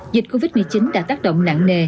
dịch covid một mươi chín đã tác động nặng nề